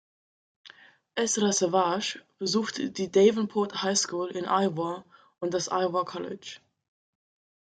Ezra Savage besuchte die "Davenport High School" in Iowa und das Iowa College.